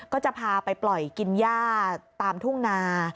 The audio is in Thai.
ก็จะพาไปปล่อยกินย่าตามทุ่งนา